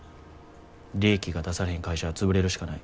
利益が出されへん会社は潰れるしかない。